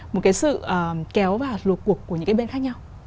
một cái sự kéo vào luộc cuộc của những cái bên khác nhau